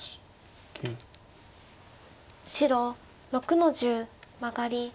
白６の十マガリ。